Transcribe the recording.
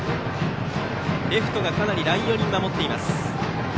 レフトが、かなりライン寄りに守っています。